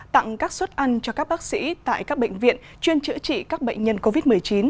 tặng các suất ăn cho các bác sĩ tại các bệnh viện chuyên chữa trị các bệnh nhân covid một mươi chín